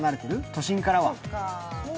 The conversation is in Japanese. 都心からは。